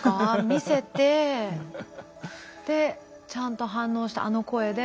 見せてでちゃんと反応してあの声で。